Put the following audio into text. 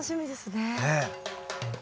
ねえ。